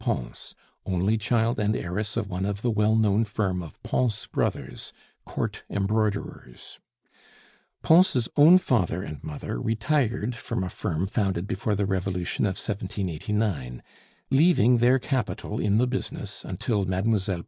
Pons, only child and heiress of one of the well known firm of Pons Brothers, court embroiderers. Pons' own father and mother retired from a firm founded before the Revolution of 1789, leaving their capital in the business until Mlle.